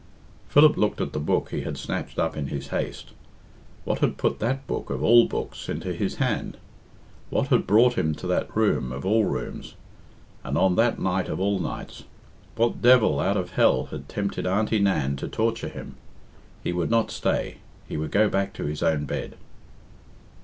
Philip looked at the book he had snatched up in his haste. What had put that book of all books into his hand? What had brought him to that room of all rooms? And on that night of all nights? What devil out of hell had tempted Auntie Nan to torture him? He would not stay; he would go back to his own bed.